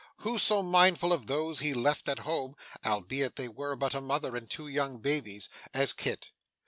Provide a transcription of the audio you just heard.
Who so mindful of those he left at home albeit they were but a mother and two young babies as Kit?